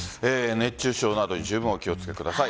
熱中症などじゅうぶんにお気を付けください。